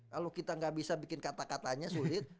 kalau kita nggak bisa bikin kata katanya sulit